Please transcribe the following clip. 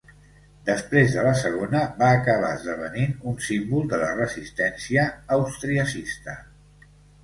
Després de la segona va acabar esdevenint un símbol de la resistència austriacista.